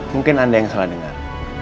mungkin anda yang salah dengar